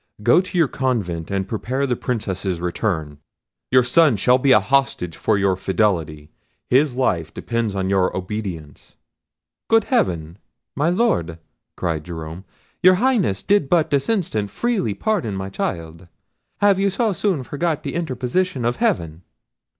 Go to your convent and prepare the Princess's return. Your son shall be a hostage for your fidelity: his life depends on your obedience." "Good heaven! my Lord," cried Jerome, "your Highness did but this instant freely pardon my child—have you so soon forgot the interposition of heaven?"